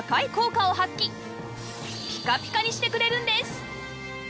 ピカピカにしてくれるんです